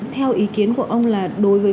theo ý kiến của ông là đối với